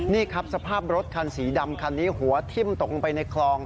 นี่สภาพรถคันสีดำคันนี้หัวทำลงไปในคล